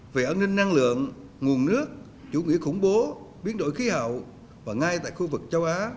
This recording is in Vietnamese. về an ninh năng lượng nguồn nước chủ nghĩa khủng bố biến đổi khí hậu và ngay tại khu vực châu á